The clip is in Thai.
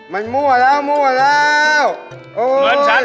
มีความรู้สึกว่า